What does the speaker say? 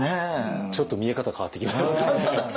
ちょっと見え方変わってきましたね。